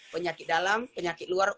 penyakit dalam penyakit luar